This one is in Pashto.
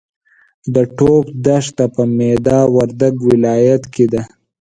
د ټوپ دښته په میدا وردګ ولایت کې ده.